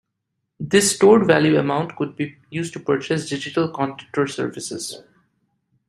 This stored-value amount could be used to purchase digital content or services.